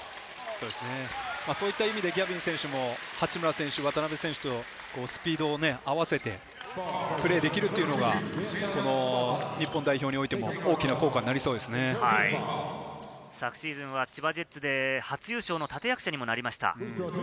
そういった意味でギャビン選手も八村選手、渡邊選手、スピードを合わせてプレーできるというのが、日本代表においても昨シーズンは千葉ジェッツで初優勝の立役者にもなりました。